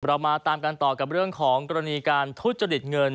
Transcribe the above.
เรามาตามกันต่อกับเรื่องของกรณีการทุจริตเงิน